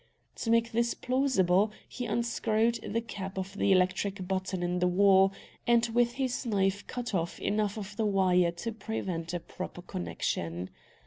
To make this plausible, he unscrewed the cap of the electric button in the wall, and with his knife cut off enough of the wire to prevent a proper connection.